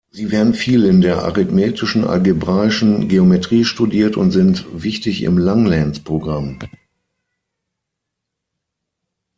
Sie werden viel in der arithmetischen algebraischen Geometrie studiert und sind wichtig im Langlands-Programm.